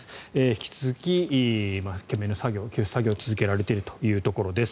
引き続き懸命な救出作業が続けられているというところです。